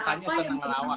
kota kotanya seneng ngelawak